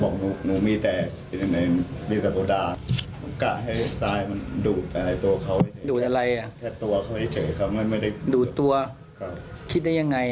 คิดได้ยังไงอะ